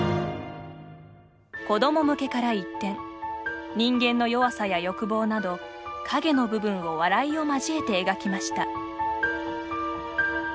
子ども向けから一転人間の弱さや欲望など陰の部分を笑いを交えて描きました。